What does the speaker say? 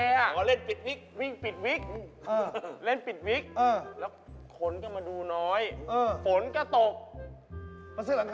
เราเสื้อหลังคาค่ะเผ่งมาก